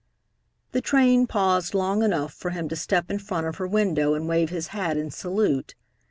The train paused long enough for him to step in front of her window and wave his hat in salute.